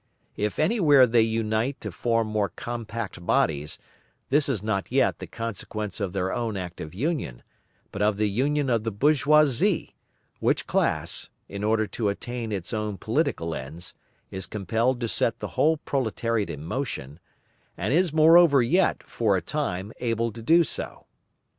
If anywhere they unite to form more compact bodies, this is not yet the consequence of their own active union, but of the union of the bourgeoisie, which class, in order to attain its own political ends, is compelled to set the whole proletariat in motion, and is moreover yet, for a time, able to do so.